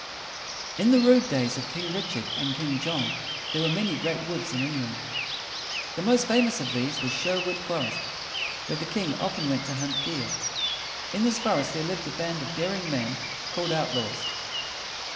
In the rude days of King Rich ard and King John there were many great woods in England. The most famous of these was Sher wood forest, where the king often went to hunt deer. In this forest there lived a band of daring men called out laws.